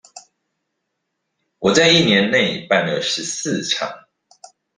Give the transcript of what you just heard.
我在一年內辦了十四場